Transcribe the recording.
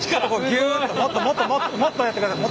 ぎゅっともっともっとやってください。